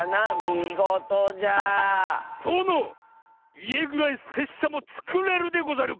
みごとじゃ！とのいえぐらいせっしゃもつくれるでござる！